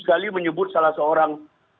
sekali menyebut salah seorang